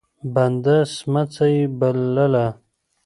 بنده سمڅه يې بلله.